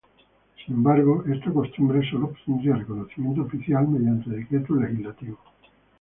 Sin embargo, esta costumbre sólo obtendría reconocimiento oficial mediante Decreto Legislativo No.